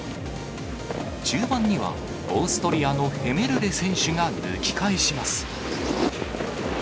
中盤にはオーストリアのヘメルレ選手が抜き返します。